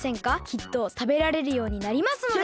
きっとたべられるようになりますので。